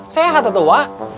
sehat atau wa